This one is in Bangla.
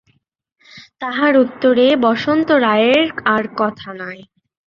তাহার উত্তরে বসন্ত রায়ের আর কথা নাই।